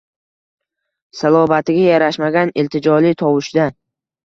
Salobatiga yarashmagan iltijoli tovushda: